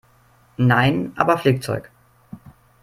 Nein, aber Flickzeug.